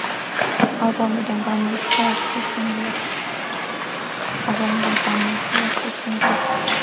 ალბომიდან გამოიცა ექვსი სინგლი.